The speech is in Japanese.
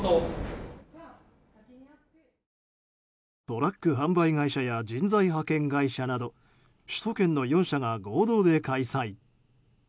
トラック販売会社や人材派遣会社など首都圏の４社が合同で開催。